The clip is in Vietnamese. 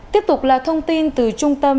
tiếp tục là thông tin từ trung tâm